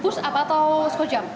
push up atau school jump